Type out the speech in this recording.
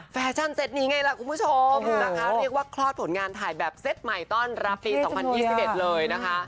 แฟชั่นเต็ตนี้ไงล่ะคุณผู้ชมนะคะเรียกว่าคลอดผลงานถ่ายแบบเซตใหม่ต้อนรับปี๒๐๒๑เลยนะคะ